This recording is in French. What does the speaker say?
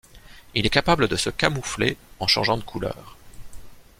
Il est capable de se camoufler en changeant de couleur.